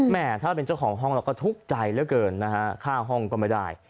แม่ถ้าเป็นเจ้าของห้องเราก็ทุกข์ใจเหลือเกินนะฮะค่าห้องก็ไม่ได้